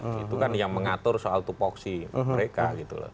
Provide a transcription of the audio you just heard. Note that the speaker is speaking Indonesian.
itu kan yang mengatur soal tupoksi mereka gitu loh